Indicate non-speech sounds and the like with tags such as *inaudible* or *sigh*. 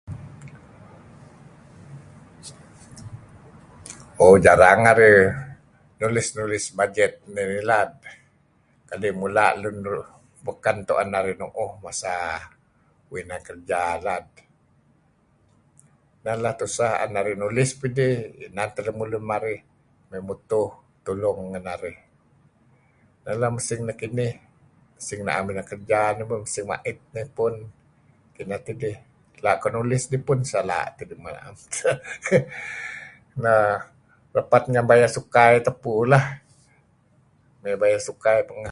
Ooh jarang narih nulis-nulis bajet ngilad. Kadi' mula' luk baken tuen narih nuuh. Masa uih inan krja lad nah lah tusah, an narih nulis pah idih inan tah lemulun marih may mutuh tulung ngen narih. Lam masing nekinih masing naem kerja narih su mait neh pun kineh tah. Ela' iok nulis pah pun sala' tidih *laughs* Nah rapet ngan bayar cukai tupu lah. May bayar sukai pangeh.